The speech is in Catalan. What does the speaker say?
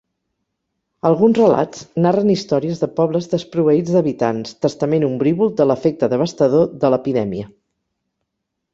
Alguns relats narren històries de pobles desproveïts d'habitants, testament ombrívol de l'efecte devastador de l'epidèmia.